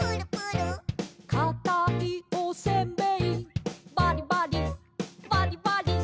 「かたいおせんべいバリバリバリバリ」